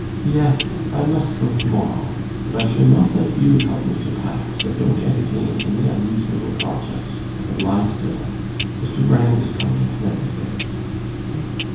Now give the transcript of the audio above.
'Yes, I must go to morrow. But I shall not let you help me to pack, so don't entertain any unreasonable projects, but lie still. Mr. Brand is coming, Nanny says.